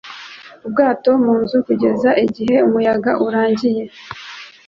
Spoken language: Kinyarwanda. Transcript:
ubwato mu nzu kugeza igihe umuyaga urangiye